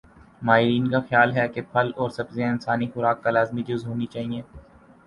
ماہرین کا خیال ہے کہ پھل اور سبزیاں انسانی خوراک کا لازمی جز ہونی چاہئیں